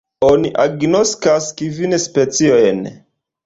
Oni agnoskas kvin speciojn.